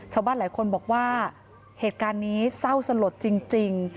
ชาวบ้านหลายคนบอกว่าเหตุการณ์นี้เศร้าสลดจริง